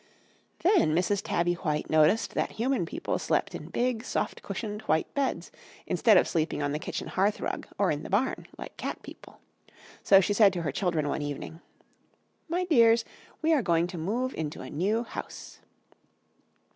"Then Mrs. Tabby White noticed that human people slept in big soft cushioned white beds, instead of sleeping on the kitchen hearth rug, or in the barn, like cat people. So she said to her children one evening "'My dears, we are going to move into a new house.'